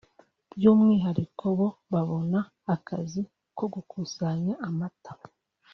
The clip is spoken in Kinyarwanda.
by’umwihariko bo babona akazi ko gukusanya amata